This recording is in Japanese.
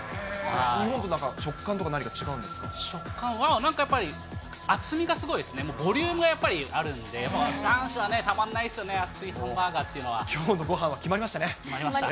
日本となんか、食感とか何か食感は、なんかやっぱり、厚みがすごいですね、もうボリュームがやっぱりあるんで、男子はたまんないですよね、きょうのごはんは決まりまし決まりました。